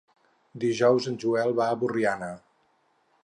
Dijous en Joel va a Borriana.